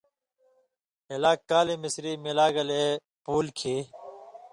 ہِلاک کالی مصری ملا گلے پُولیۡ کھیں